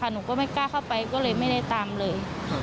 หนูก็ไม่กล้าเข้าไปก็เลยไม่ได้ตามเลย